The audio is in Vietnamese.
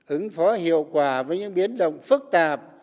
ứng phó hiệu quả với những biến động phức tạp